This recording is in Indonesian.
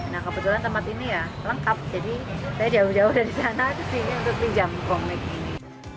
nah kebetulan tempat ini ya lengkap jadi saya jauh jauh dari sana kesini untuk pinjam komik ini